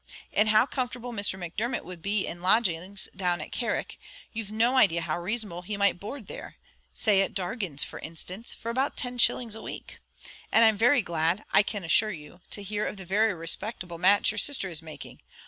And how comfortable Mr. Macdermot would be in lodgings down at Carrick; you've no idea how reasonable he might board there; say at Dargan's for instance, for about ten shillings a week. And I'm very glad, I can assure you, to hear of the very respectable match your sister is making.